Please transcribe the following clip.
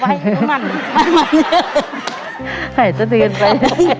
ไฟทะเดินไป